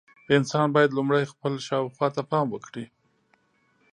انسان باید لومړی خپل شاوخوا ته پام وکړي.